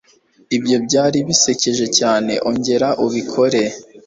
Ibyo byari bisekeje cyane Ongera ubikore